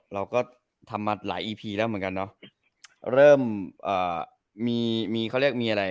เราก็ทำมาหลายอีพีแล้วเหมือนกันเนอะเริ่มเอ่อมีมีเขาเรียกมีอะไร